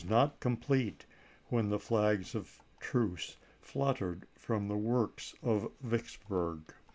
not complete when the flags of truce fluttered from the works of Vicksburg.